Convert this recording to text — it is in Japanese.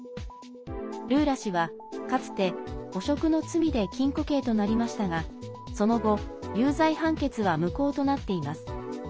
ルーラ氏は、かつて汚職の罪で禁錮刑となりましたが、その後有罪判決は無効となっています。